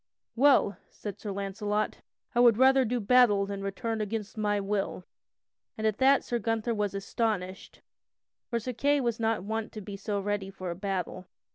"Well," said Sir Launcelot, "I would rather do battle than return against my will." And at that Sir Gunther was astonished, for Sir Kay was not wont to be so ready for a battle.